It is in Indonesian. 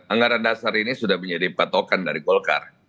anggaran dasar ini sudah menjadi patokan dari golkar